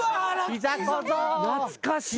懐かしい。